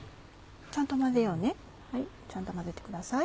ちゃんと混ぜようねはいちゃんと混ぜてください。